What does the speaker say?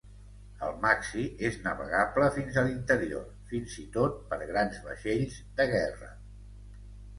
El Maxie és navegable fins al interior fins i tot per grans vaixells de guerra.